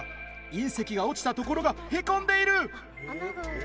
隕石が落ちた所がへこんでいる！